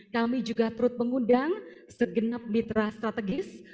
kami juga terus mengundang segenap mitra strategis